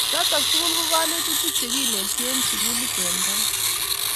Choto tugul ko kanetutik Che kineti eng sukulit an barak